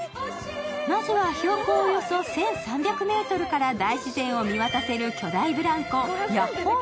まずは標高およそ１３００ｍから大自然を見渡せる巨大ブランコ、ヤッホー！